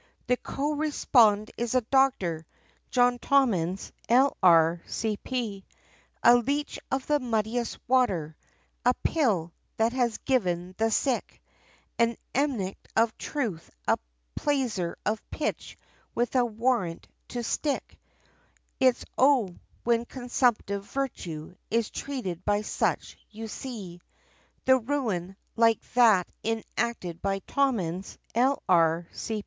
"The co respond' is a doctor, John Tommins, L.R.C.P., A leech of the muddiest water, a pill, that has given the sick, An emetic of truth, a plaister of pitch, with a warrant to stick, It's O when consumptive virtue, is treated by such, you see The ruin, like that enacted by Tommins, L.R.